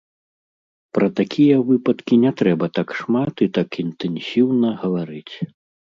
Пра такія выпадкі не трэба так шмат і так інтэнсіўна гаварыць.